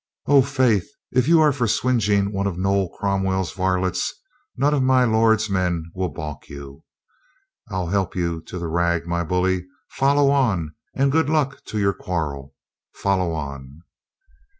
"O, faith, if you are for swingeing one of Noll Cromwell's varlets none of my lord's men will balk you. I'll help you to the rag, my bully. Follow on, and good luck to your quarrel, follow on."